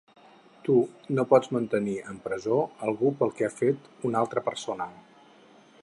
Tu no pots mantenir en presó algú pel que ha fet una altra persona.